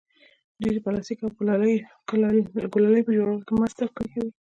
دوی د پلاستیک او ګلالي په جوړولو کې مرسته کوي.